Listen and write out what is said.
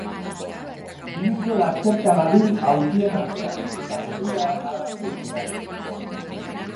Vince lasterka dabil aulkien artean eta geldiarazi egin behar dut.